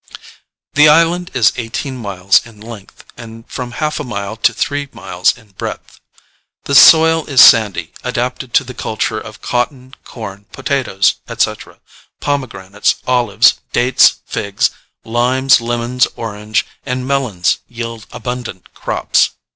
The island is eighteen miles in length and from half a mile to three miles in breadth. The soil is sandy, adapted to the culture of cotton, corn, potatoes, etc.: pomegranates, olives, dates, figs, limes, lemons, oranges and melons yield abundant crops.